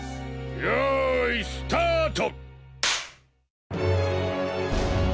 よいスタート！